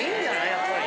やっぱり。